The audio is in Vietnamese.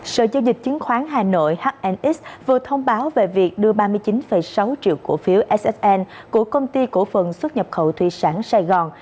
sở giao dịch chứng khoán hà nội hnx vừa thông báo về việc đưa ba mươi chín sáu triệu cổ phiếu sxn của công ty cổ phần xuất nhập khẩu thủy sản sài gòn